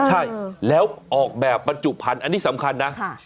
ใช่แล้วออกแบบบรรจุพันธุ์อันนี้สำคัญนะ